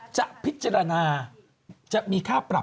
จะพิจารณาจะมีค่าปรับ